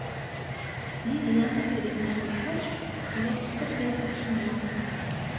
Lidya n Tifrit n At Lḥaǧ tella tettḍebbir iɣef-nnes.